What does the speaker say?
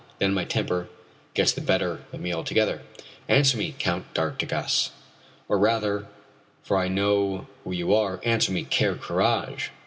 Then my temper gets the better of me altogether. "Answer me, Count d'Artigas or rather, for I know who you are answer me, Ker Karraje!"